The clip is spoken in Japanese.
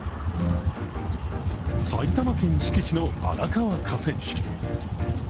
埼玉県志木市の荒川河川敷。